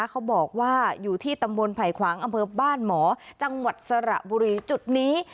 เขาบอกว่าอยู่ที่ตำบลไผ่ขวางอำเภอบ้านหมอจังหวัดสระบุรีจุดนี้